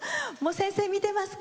先生見てますか？